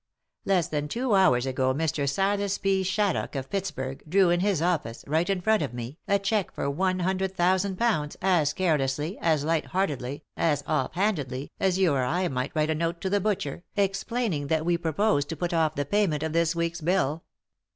Less than two hours ago Mr. Silas F. Shaddock, of Pittsburg, drew, in his office, right in front of me, a cheque for one hundred thousand pounds as carelessly, as light heartedly, as off handedly, as you or I might write a note to the butcher, explain ing that we propose to put off the payment of this week's bill."